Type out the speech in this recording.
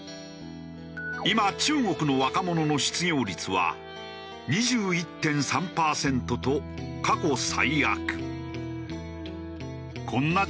今中国の若者の失業率は２１．３パーセントと過去最悪。